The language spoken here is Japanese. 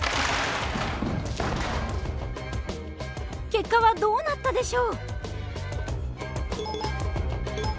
結果はどうなったでしょう？